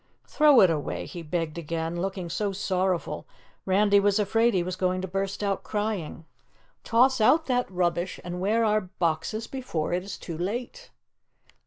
Throw it away," he begged again, looking so sorrowful Randy was afraid he was going to burst out crying. "Toss out that rubbish and wear our boxes before it is too late!"